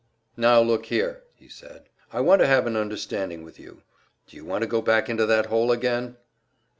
"Now look here," he said. "I want to have an understanding with you. Do you want to go back into that hole again?"